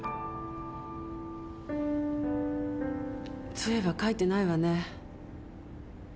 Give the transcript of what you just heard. そういえば書いてないわね。